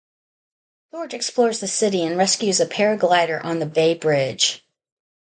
George explores the city and rescues a paraglider on the Bay Bridge.